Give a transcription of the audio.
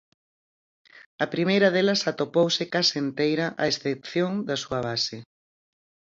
A primeira delas atopouse case enteira a excepción da súa base.